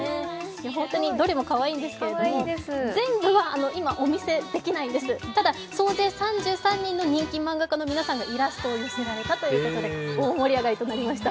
本当にどれもかわいいんですけれども全部は今、お見せできないんですが、総勢３３人の先生がイラストを寄せてくださって大盛り上がりとなりました。